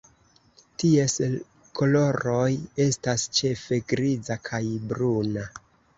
Ties koloroj estas ĉefe griza kaj bruna.